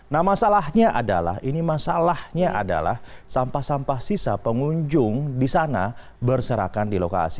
nah masalahnya adalah ini masalahnya adalah sampah sampah sisa pengunjung di sana berserakan di lokasi